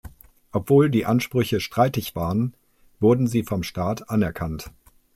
Obwohl die Ansprüche streitig waren, wurden sie vom Staat anerkannt.